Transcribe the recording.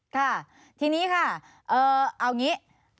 ค่ะทีนี้ค่ะเอาอย่างนี้